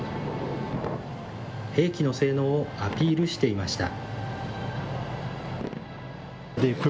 兵器の性能をアピールしていました。